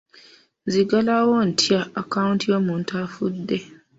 Nzigalawo ntya akaawunti y'omuntu afudde?